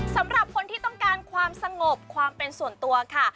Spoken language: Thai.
สำหรับคนที่ต้องการความสงบความเป็นส่วนตัวค่ะ